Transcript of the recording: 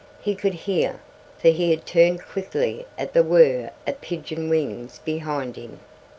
He could hear, for he had turned quickly at the whir of pigeon wings behind him.